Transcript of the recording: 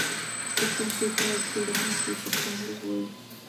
د کمپیوټر جوړونکي په قهر وویل